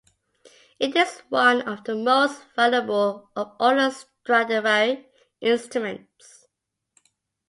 It is one of the most valuable of all the Stradivari instruments.